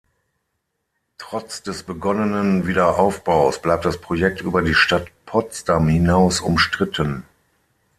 Trotz des begonnenen Wiederaufbaus bleibt das Projekt über die Stadt Potsdam hinaus umstritten.